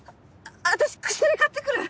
私薬買ってくる！